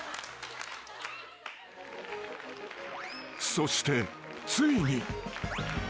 ［そしてついに］